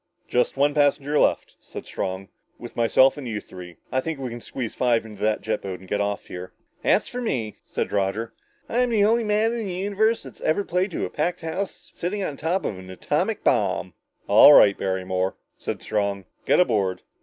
"Just one passenger left," said Strong, "with myself and you three. I think we can squeeze five in that jet boat and get off here." "That's for me," said Roger. "I'm the only man in the whole universe that's ever played to a packed house sitting on top of an atomic bomb!" "All right, Barrymore," said Strong, "get aboard!"